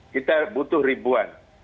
kita butuh ribuan